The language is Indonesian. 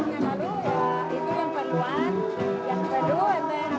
ya sebenarnya ya